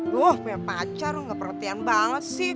lu punya pacar lu gak perhatian banget sih